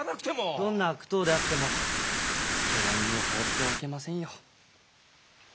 どんな悪党であってもけが人を放っておけませんよ。